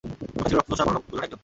লোকটা ছিল রক্তচোষা বড়লোকগুলোর একজন।